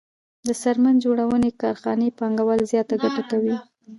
د څرمن جوړونې کارخانې پانګوال زیاته ګټه کوي